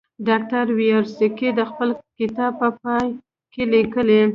ډاکټر یاورسکي د خپل کتاب په پای کې لیکي.